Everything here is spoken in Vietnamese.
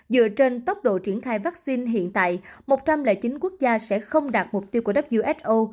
dựa trên tốc độ triển khai vaccine hiện tại một trăm linh chín quốc gia sẽ không đạt mục tiêu của who